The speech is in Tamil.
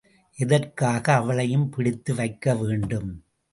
எதற்காக அவளையும் பிடித்து வைக்க வேண்டும்?